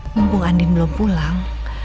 mumpung andin belum pulang